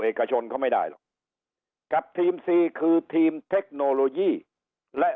เอกชนเขาไม่ได้หรอกกับทีมซีคือทีมเทคโนโลยีและ